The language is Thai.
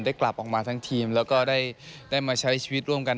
กลับออกมาทั้งทีมแล้วก็ได้มาใช้ชีวิตร่วมกัน